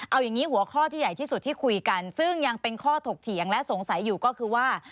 เอาอย่างนี้หัวข้อที่ใหญ่ที่สุดที่คุยกันซึ่งยังเป็นข้อถกเถียงและสงสัยอยู่ก็คือว่า